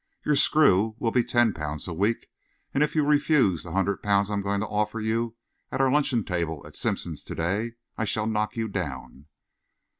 Your screw will be ten pounds a week, and if you refuse the hundred pounds I am going to offer you at our luncheon table at Simpson's to day, I shall knock you down."